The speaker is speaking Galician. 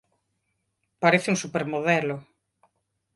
Parece un supermodelo.